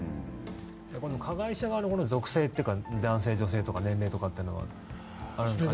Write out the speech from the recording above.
加害者側の属性というか男性、女性とか年齢とかいうのはあるんですか？